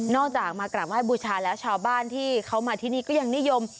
จากมากราบไห้บูชาแล้วชาวบ้านที่เขามาที่นี่ก็ยังนิยม